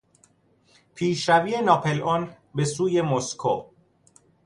پیشروی ناپلئون بهسوی مسکو